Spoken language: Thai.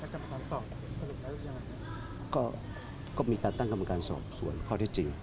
กฎได้กรรมการสอบสรุปแล้วยังอะไรก็ก็มีการตั้งกรรมการสอบส่วนข้อที่จริง